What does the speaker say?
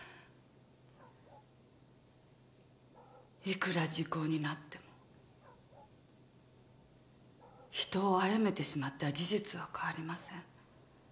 いくら時効になっても人を殺めてしまった事実は変わりません。